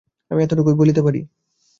আমি এতটুকুই বলতে পারি।